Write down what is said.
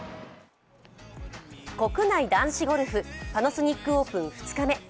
国内男子ゴルフ、パナソニックオープン２日目。